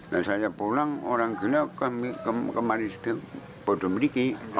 dan saya pulang orang gila kemarin di padepokan walisiri